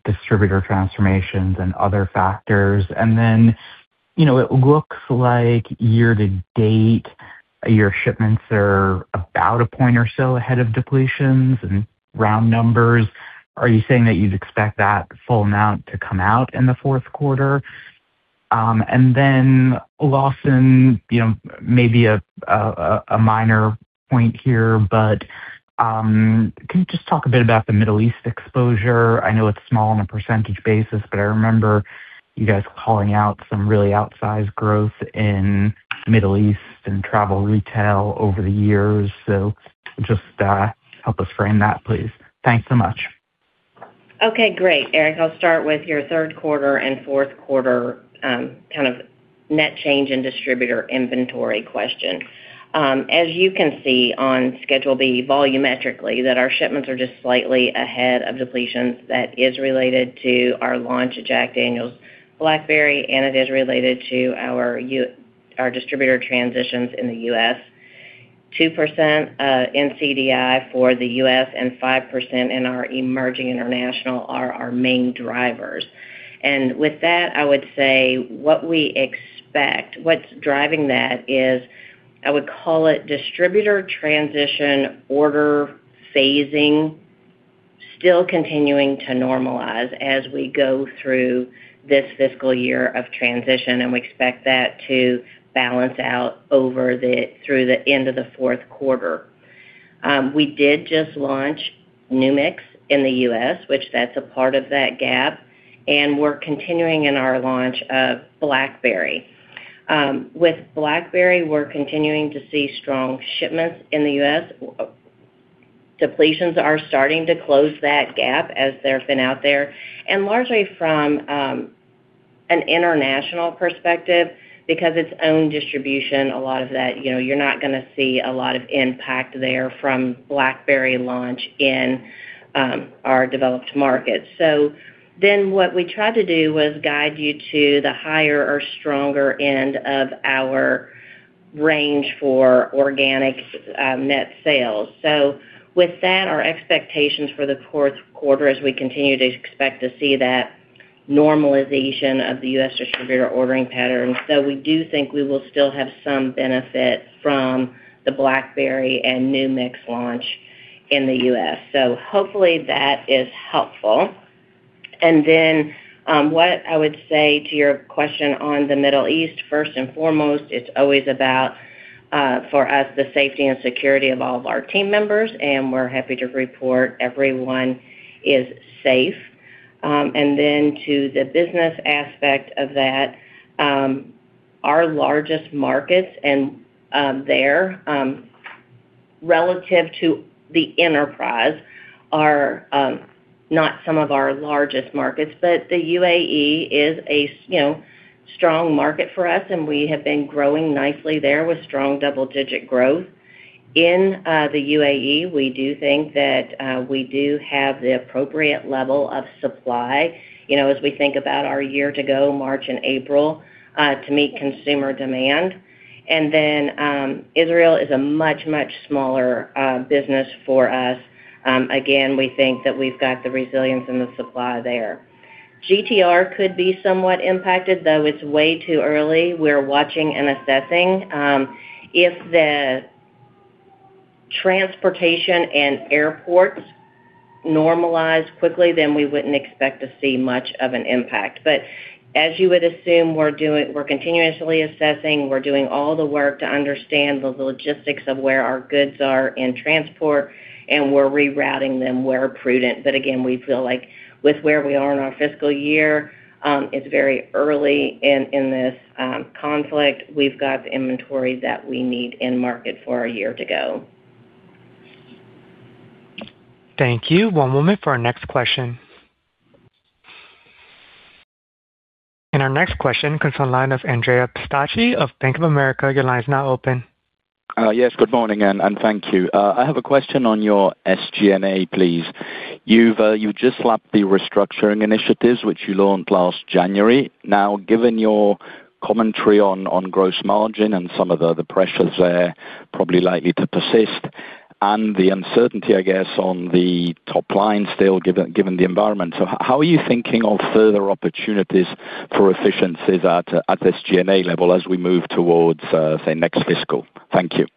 distributor transformations and other factors. Then, you know, it looks like year to date, your shipments are about 1 point or so ahead of depletions in round numbers. Are you saying that you'd expect that full amount to come out in the fourth quarter? Lawson, you know, maybe a minor point here, but can you just talk a bit about the Middle East exposure? I know it's small on a percentage basis, but I remember you guys calling out some really outsized growth in Middle East and travel retail over the years. Just help us frame that, please. Thanks so much. Okay, great. Eric, I'll start with your third quarter and fourth quarter, kind of net change in distributor inventory question. As you can see on Schedule B, volumetrically, that our shipments are just slightly ahead of depletions. That is related to our launch of Jack Daniel's Blackberry, and it is related to our distributor transitions in the U.S. 2%, in CDI for the U.S. and 5% in our emerging international are our main drivers. With that, I would say what we expect, what's driving that is, I would call it distributor transition order phasing, still continuing to normalize as we go through this fiscal year of transition, and we expect that to balance out through the end of the fourth quarter. We did just launch New Mix in the U.S., which that's a part of that gap. We're continuing in our launch of Blackberry. With Blackberry, we're continuing to see strong shipments in the U.S. Depletions are starting to close that gap as they've been out there and largely from an international perspective because its own distribution, a lot of that, you know, you're not gonna see a lot of impact there from Blackberry launch in our developed markets. What we tried to do was guide you to the higher or stronger end of our range for organic net sales. With that, our expectations for the fourth quarter as we continue to expect to see that normalization of the U.S. distributor ordering patterns, though we do think we will still have some benefit from the Blackberry and New Mix launch in the U.S. Hopefully that is helpful. What I would say to your question on the Middle East, first and foremost, it's always about for us, the safety and security of all of our team members, and we're happy to report everyone is safe. To the business aspect of that, our largest markets and there relative to the enterprise are not some of our largest markets, but the UAE is a, you know, strong market for us, and we have been growing nicely there with strong double-digit growth. In the UAE, we do think that we do have the appropriate level of supply, you know, as we think about our year to go March and April to meet consumer demand. Israel is a much smaller business for us. Again, we think that we've got the resilience and the supply there. GTR could be somewhat impacted, though it's way too early. We're watching and assessing. If the transportation and airports normalize quickly, then we wouldn't expect to see much of an impact. As you would assume, we're continuously assessing, we're doing all the work to understand the logistics of where our goods are in transport, and we're rerouting them where prudent. Again, we feel like with where we are in our fiscal year, it's very early in this conflict. We've got the inventory that we need in market for a year to go. Thank you. One moment for our next question. Our next question comes on line of Andrea Pistacchi of Bank of America. Your line is now open. Yes, good morning, and thank you. I have a question on your SG&A, please. You've just lapped the restructuring initiatives, which you launched last January. Given your commentary on gross margin and some of the pressures there probably likely to persist and the uncertainty, I guess, on the top line still given the environment. How are you thinking of further opportunities for efficiencies at SG&A level as we move towards, say, next fiscal? Thank you.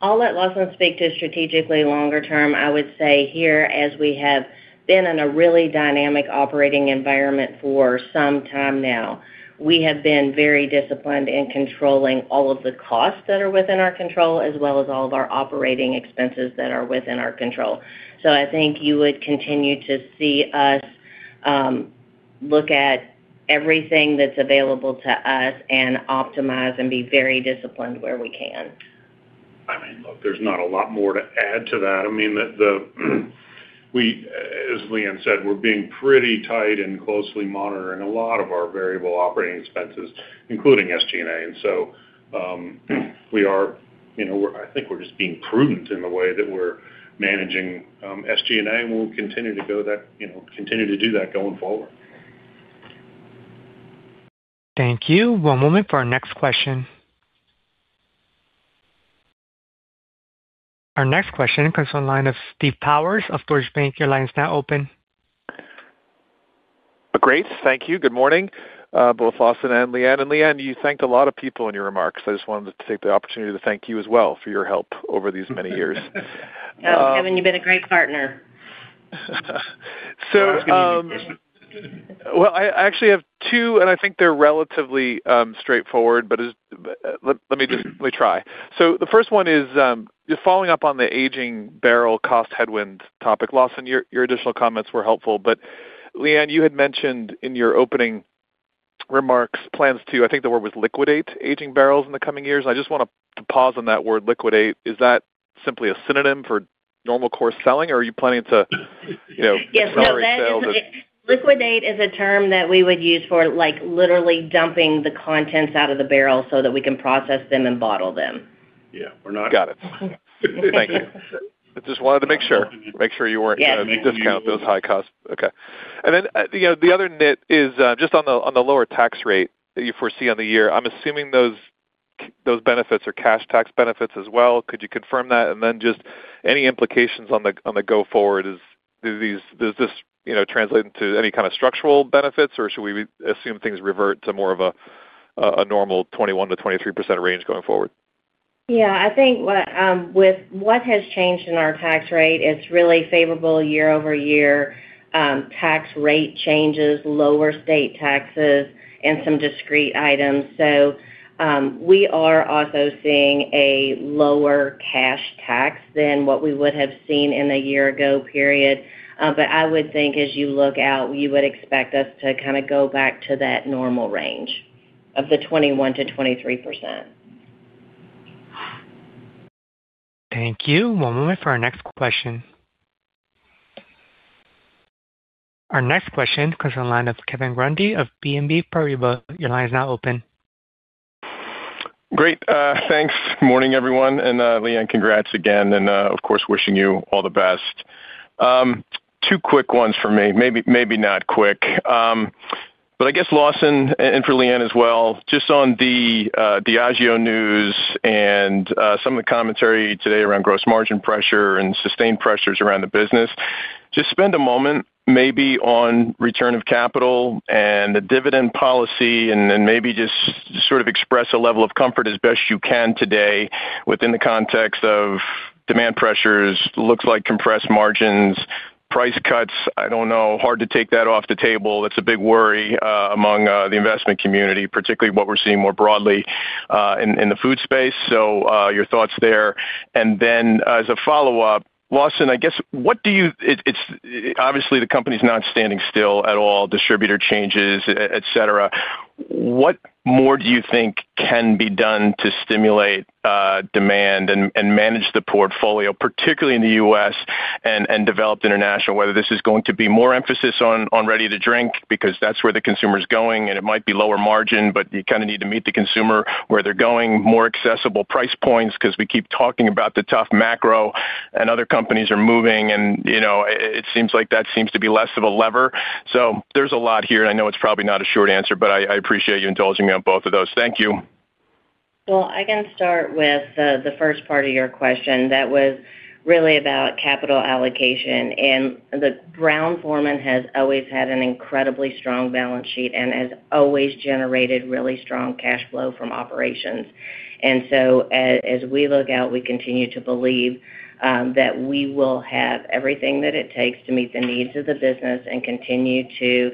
I'll let Lawson speak to strategically longer term. I would say here, as we have been in a really dynamic operating environment for some time now, we have been very disciplined in controlling all of the costs that are within our control, as well as all of our operating expenses that are within our control. I think you would continue to see us look at everything that's available to us and optimize and be very disciplined where we can. I mean, look, there's not a lot more to add to that. I mean, the as Leanne said, we're being pretty tight and closely monitoring a lot of our variable operating expenses, including SG&A. We are, you know, I think we're just being prudent in the way that we're managing SG&A, and we'll continue to go that, you know, continue to do that going forward. Thank you. One moment for our next question. Our next question comes on the line of Steve Powers of Deutsche Bank. Your line is now open. Great. Thank you. Good morning, both Lawson and Leanne. Leanne, you thanked a lot of people in your remarks. I just wanted to take the opportunity to thank you as well for your help over these many years. Oh, Steve, you've been a great partner. I was gonna use different. I actually have two, and I think they're relatively straightforward. Let me try. The first one is just following up on the aging barrel cost headwind topic. Lawson, your additional comments were helpful. Leanne, you had mentioned in your opening remarks plans to, I think the word was liquidate aging barrels in the coming years. I just want to pause on that word liquidate. Is that simply a synonym for normal course selling, or are you planning to, you know, accelerate sales or? Yes. No. Liquidate is a term that we would use for, like, literally dumping the contents out of the barrel so that we can process them and bottle them. Yeah. We're not. Got it. Thank you. I just wanted to make sure. Make sure you weren't, you know, discount those high costs. Okay. You know, the other nit is just on the lower tax rate that you foresee on the year. I'm assuming those benefits are cash tax benefits as well. Could you confirm that? Just any implications on the go forward, is, does this, you know, translate into any kind of structural benefits, or should we assume things revert to more of a normal 21%-23% range going forward? Yeah. I think what, with what has changed in our tax rate, it's really favorable year-over-year, tax rate changes, lower state taxes and some discrete items. We are also seeing a lower cash tax than what we would have seen in the year ago period. I would think as you look out, you would expect us to kind of go back to that normal range of the 21%-23%. Thank you. One moment for our next question. Our next question comes from the line of Kevin Grundy of BNP Paribas. Your line is now open. Great. Thanks. Morning, everyone. Leanne, congrats again, of course, wishing you all the best. Two quick ones for me. Maybe, maybe not quick. I guess Lawson, and for Leanne as well, just on the Diageo news and some of the commentary today around gross margin pressure and sustained pressures around the business. Just spend a moment maybe on return of capital and the dividend policy and maybe just sort of express a level of comfort as best you can today within the context of demand pressures, looks like compressed margins, price cuts. I don't know, hard to take that off the table. That's a big worry among the investment community, particularly what we're seeing more broadly in the food space. Your thoughts there. As a follow-up, Lawson, I guess, what do you-- It's. Obviously, the company's not standing still at all, distributor changes, et cetera. What more do you think can be done to stimulate demand and manage the portfolio, particularly in the U.S. and developed international, whether this is going to be more emphasis on ready-to-drink because that's where the consumer is going, and it might be lower margin, but you kinda need to meet the consumer where they're going, more accessible price points because we keep talking about the tough macro and other companies are moving, and, you know, it seems like that seems to be less of a lever. There's a lot here. I know it's probably not a short answer, but I appreciate you indulging me on both of those. Thank you. I can start with the first part of your question. That was really about capital allocation. The Brown-Forman has always had an incredibly strong balance sheet and has always generated really strong cash flow from operations. As we look out, we continue to believe that we will have everything that it takes to meet the needs of the business and continue to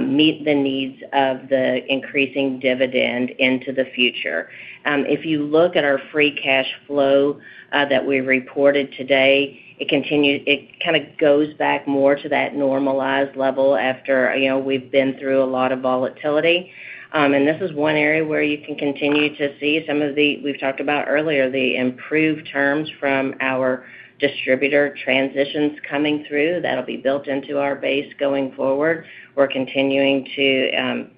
meet the needs of the increasing dividend into the future. If you look at our free cash flow that we reported today, it kind of goes back more to that normalized level after, you know, we've been through a lot of volatility. And this is one area where you can continue to see some of the-- we've talked about earlier, the improved terms from our distributor transitions coming through. That'll be built into our base going forward. We're continuing to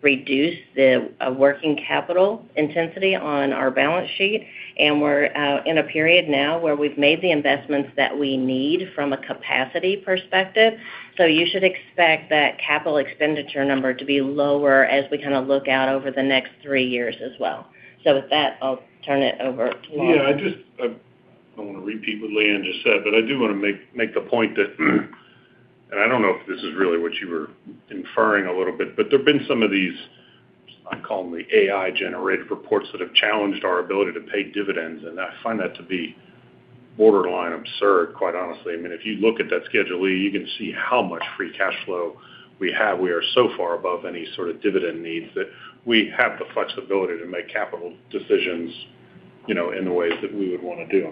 reduce the working capital intensity on our balance sheet, and we're in a period now where we've made the investments that we need from a capacity perspective. You should expect that capital expenditure number to be lower as we kinda look out over the next three years as well. With that, I'll turn it over to Lawson. Yeah, I don't wanna repeat what Leanne just said, but I do wanna make the point that. I don't know if this is really what you were inferring a little bit, but there have been some of these, I call them the AI-generated reports that have challenged our ability to pay dividends, and I find that to be borderline absurd, quite honestly. I mean, if you look at that Schedule E, you can see how much free cash flow we have. We are so far above any sort of dividend needs that we have the flexibility to make capital decisions, you know, in the ways that we would wanna do.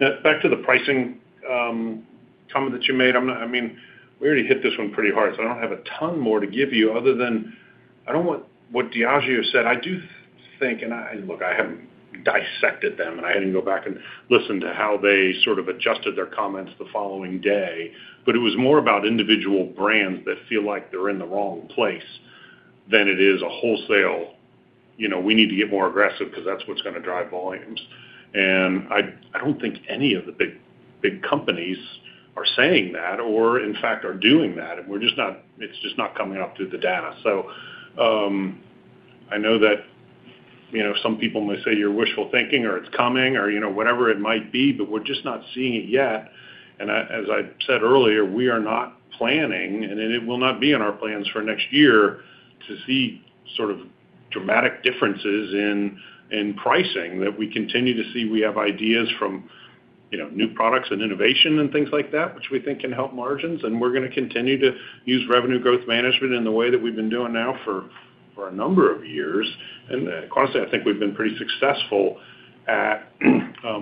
Now, back to the pricing comment that you made. I mean, we already hit this one pretty hard, so I don't have a ton more to give you other than I don't want what Diageo said. I do think, Look, I haven't dissected them, and I didn't go back and listen to how they sort of adjusted their comments the following day, but it was more about individual brands that feel like they're in the wrong place than it is a wholesale, you know, we need to get more aggressive because that's gonna drive volumes. I don't think any of the big, big companies are saying that or in fact, are doing that. It's just not coming up through the data. I know that, you know, some people may say you're wishful thinking or it's coming or, you know, whatever it might be, but we're just not seeing it yet. As I said earlier, we are not planning, and it will not be in our plans for next year to see sort of dramatic differences in pricing that we continue to see. We have ideas from, you know, new products and innovation and things like that, which we think can help margins, and we're gonna continue to use revenue growth management in the way that we've been doing now for a number of years. Quite honestly, I think we've been pretty successful at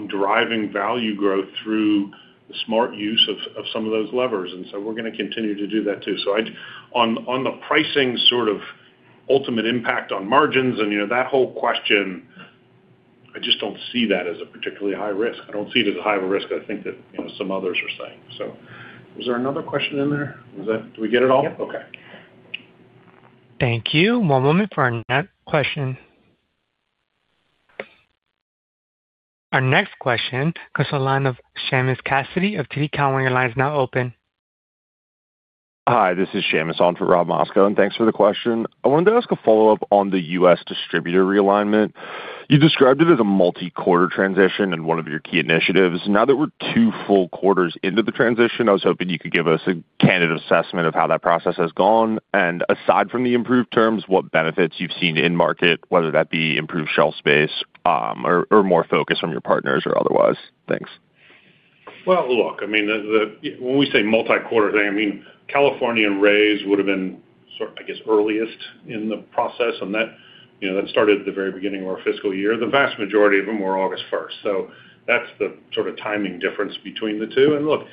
deriving value growth through the smart use of some of those levers. We're gonna continue to do that too. On the pricing sort of ultimate impact on margins and, you know, that whole question, I just don't see that as a particularly high risk. I don't see it as high of a risk, I think that, you know, some others are saying. Was there another question in there? Did we get it all? Yep. Okay. Thank you. One moment for our next question. Our next question goes to the line of Seamus Cassidy of TD Cowen. Your line is now open. Hi, this is Seamus on for Robert Moskow. Thanks for the question. I wanted to ask a follow-up on the U.S. distributor realignment. You described it as a multi-quarter transition and one of your key initiatives. Now that we're two full quarters into the transition, I was hoping you could give us a candid assessment of how that process has gone. Aside from the improved terms, what benefits you've seen in market, whether that be improved shelf space, or more focus from your partners or otherwise. Thanks. Well, look, I mean, when we say multi-quarter thing, I mean, California and Reyes would have been sort of, I guess, earliest in the process, and that, you know, that started at the very beginning of our fiscal year. The vast majority of them were August 1. That's the sort of timing difference between the two. Look,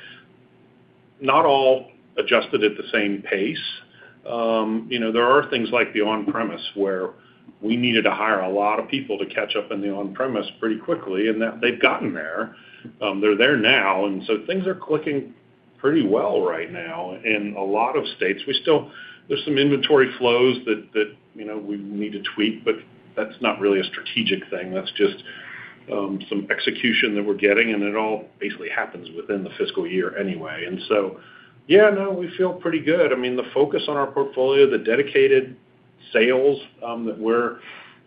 not all adjusted at the same pace. You know, there are things like the on-premise where we needed to hire a lot of people to catch up in the on-premise pretty quickly, and that they've gotten there, they're there now, and so things are clicking pretty well right now in a lot of states. We still, there's some inventory flows that, you know, we need to tweak, but that's not really a strategic thing. That's just some execution that we're getting, and it all basically happens within the fiscal year anyway. Yeah, no, we feel pretty good. I mean, the focus on our portfolio, the dedicated sales that we're,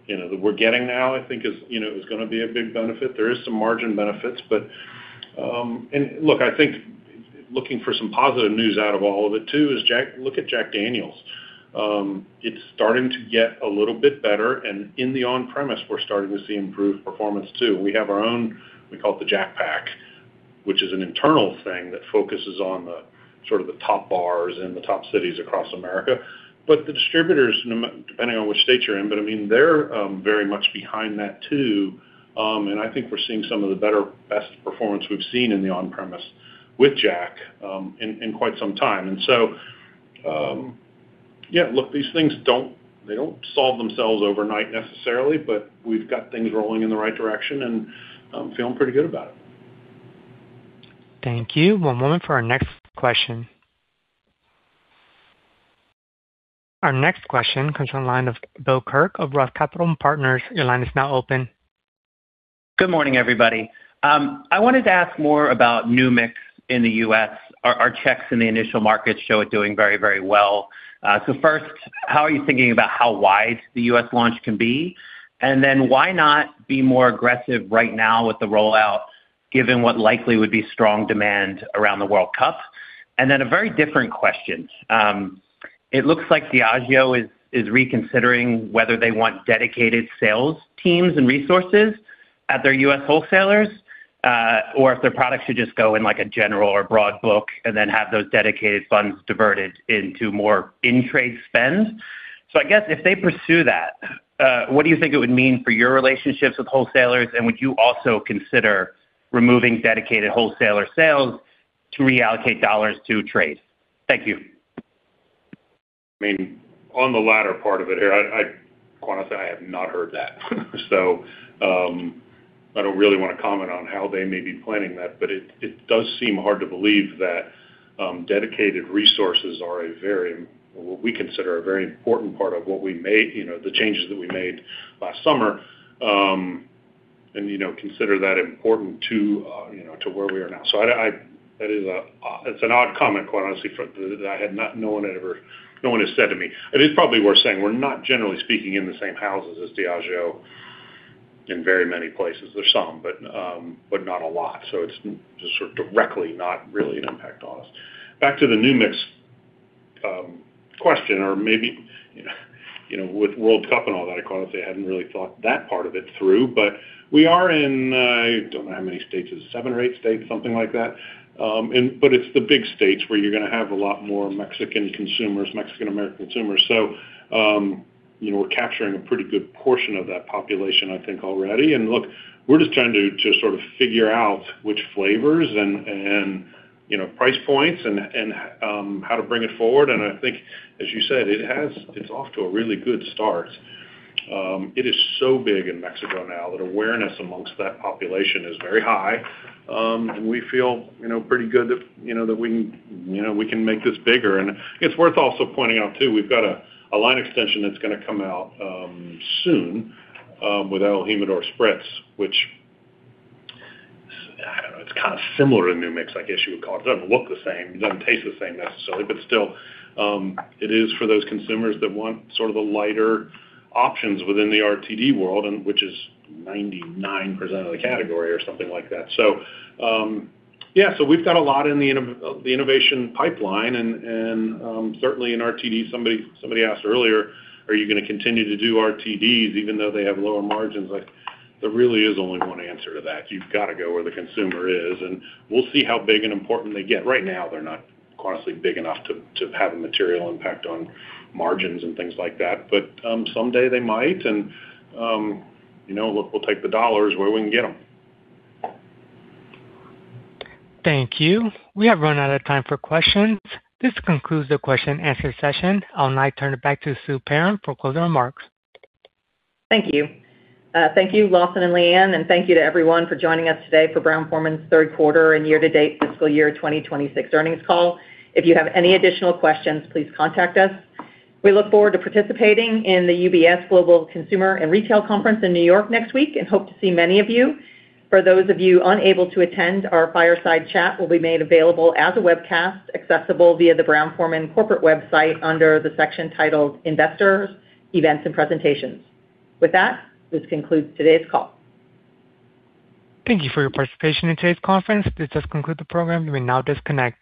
you know, that we're getting now, I think is, you know, is gonna be a big benefit. There is some margin benefits, but-- Look, I think looking for some positive news out of all of it too, look at Jack Daniel's. It's starting to get a little bit better. In the on-premise, we're starting to see improved performance too. We have our own, we call it the Jack Pack, which is an internal thing that focuses on the sort of the top bars and the top cities across America. The distributors, depending on which state you're in, but I mean, they're very much behind that too. I think we're seeing some of the better, best performance we've seen in the on-premise with Jack, in quite some time. Yeah, look, these things don't solve themselves overnight necessarily, but we've got things rolling in the right direction and feeling pretty good about it. Thank you. One moment for our next question. Our next question comes from the line of Bill Kirk of Roth Capital Partners. Your line is now open. Good morning, everybody. I wanted to ask more about New Mix in the U.S. Our checks in the initial markets show it doing very, very well. First, how are you thinking about how wide the U.S. launch can be? Then why not be more aggressive right now with the rollout, given what likely would be strong demand around the World Cup? Then a very different question. It looks like Diageo is reconsidering whether they want dedicated sales teams and resources at their U.S. wholesalers, or if their products should just go in, like, a general or broad book and then have those dedicated funds diverted into more in-trade spend. I guess if they pursue that, what do you think it would mean for your relationships with wholesalers, and would you also consider removing dedicated wholesaler sales to reallocate dollars to trade? Thank you. I mean, on the latter part of it here, I quite honestly, I have not heard that. I don't really wanna comment on how they may be planning that, but it does seem hard to believe that dedicated resources are a very, what we consider a very important part of what we made, you know, the changes that we made last summer, and, you know, consider that important to, you know, to where we are now. That is, it's an odd comment, quite honestly, no one has said to me. It is probably worth saying we're not generally speaking in the same houses as Diageo in very many places. There's some, but not a lot. It's just sort of directly not really an impact on us. Back to the New Mix question or maybe, you know, with World Cup and all that, I quite honestly hadn't really thought that part of it through. We are in, I don't know how many states, is it seven or eight states, something like that. It's the big states where you're gonna have a lot more Mexican consumers, Mexican-American consumers. You know, we're capturing a pretty good portion of that population, I think, already. Look, we're just trying to sort of figure out which flavors and, you know, price points and how to bring it forward. I think, as you said, it's off to a really good start. It is so big in Mexico now that awareness amongst that population is very high. We feel, you know, pretty good that, you know, that we, you know, we can make this bigger. It's worth also pointing out, too, we've got a line extension that's gonna come out soon with el Jimador Tequila Spritz, which, I don't know, it's kind of similar to New Mix, I guess you would call it. It doesn't look the same, it doesn't taste the same necessarily, but still, it is for those consumers that want sort of the lighter options within the RTD world and which is 99% of the category or something like that. Yeah, we've got a lot in the innovation pipeline and, certainly in RTD. Somebody asked earlier, "Are you gonna continue to do RTDs even though they have lower margins?" Like, there really is only one answer to that. You've gotta go where the consumer is. We'll see how big and important they get. Right now, they're not quite honestly big enough to have a material impact on margins and things like that. Someday they might and, you know, look, we'll take the dollars where we can get them. Thank you. We have run out of time for questions. This concludes the question and answer session. I'll now turn it back to Sue Perram for closing remarks. Thank you. Thank you, Lawson and Leanne, and thank you to everyone for joining us today for Brown-Forman's third quarter and year-to-date fiscal year 2026 earnings call. If you have any additional questions, please contact us. We look forward to participating in the UBS Global Consumer and Retail Conference in New York next week and hope to see many of you. For those of you unable to attend, our fireside chat will be made available as a webcast accessible via the Brown-Forman corporate website under the section titled Investors, Events & Presentations. With that, this concludes today's call. Thank you for your participation in today's conference. This does conclude the program. You may now disconnect.